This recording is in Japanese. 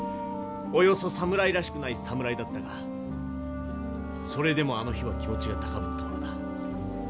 およそ侍らしくない侍だったがそれでもあの日は気持ちが高ぶったものだ。